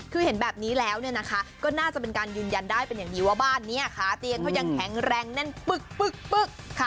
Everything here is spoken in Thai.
คือเห็นแบบนี้แล้วเนี่ยนะคะก็น่าจะเป็นการยืนยันได้เป็นอย่างดีว่าบ้านนี้ขาเตียงเขายังแข็งแรงแน่นปึ๊ก